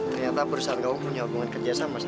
ternyata perusahaan kamu punya hubungan kerja sama sama kamu